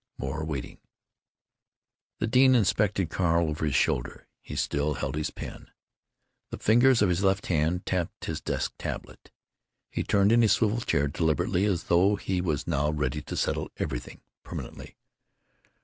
More waiting. The dean inspected Carl, over his shoulder. He still held his pen. The fingers of his left hand tapped his desk tablet. He turned in his swivel chair deliberately, as though he was now ready to settle everything permanently.